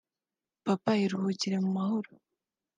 papa iruhukire mu mahoro”